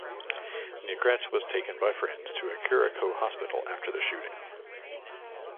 Negrete was taken by friends to a Curico hospital after the shooting.